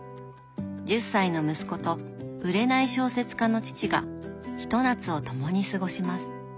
１０歳の息子と売れない小説家の父がひと夏を共に過ごします。